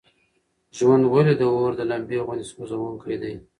ژوند ولې د اور د لمبې غوندې سوزونکی دی؟